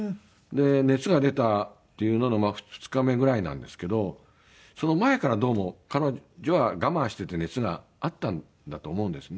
熱が出たというのの２日目ぐらいなんですけどその前からどうも彼女は我慢してて熱があったんだと思うんですね。